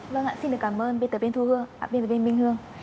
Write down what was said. vâng ạ xin cảm ơn